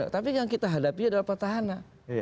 tapi yang kita hadapi adalah petahana